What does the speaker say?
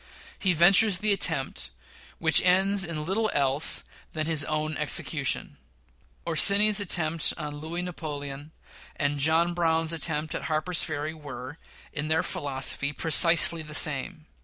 He ventures the attempt, which ends in little else than his own execution. Orsini's attempt on Louis Napoleon and John Brown's attempt at Harper's Ferry were, in their philosophy, precisely the same.